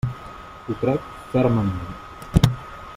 Ho crec fermament.